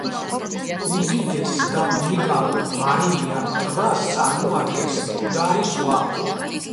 უდიდეს და უნიკალურ მარილიან ტბას წარმოადგენს მკვდარი ზღვა.